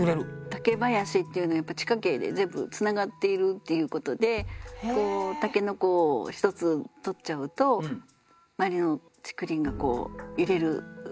竹林っていうのはやっぱり地下茎で全部つながっているっていうことで筍を一つ採っちゃうと周りの竹林が揺れる。